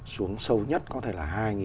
xuống sâu nhất có thể là